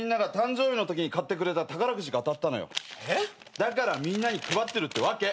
だからみんなに配ってるってわけ。